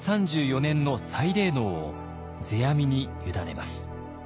３４年の祭礼能を世阿弥に委ねます。